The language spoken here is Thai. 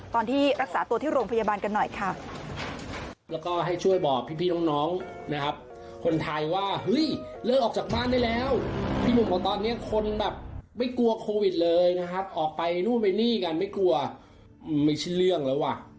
ตอนที่รักษาตัวที่โรงพยาบาลกันหน่อยค่ะ